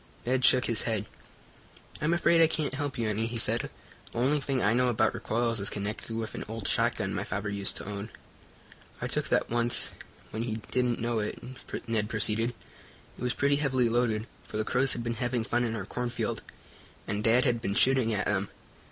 Ned shook his head. "I'm afraid I can't help you any," he said. "The only thing I know about recoils is connected with an old shotgun my father used to own. "I took that once, when he didn't know it," Ned proceeded. "It was pretty heavily loaded, for the crows had been having fun in our cornfield, and dad had been shooting at them.